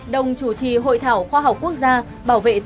đồng chủ trì hội thảo khoa học quốc gia bảo vệ người dân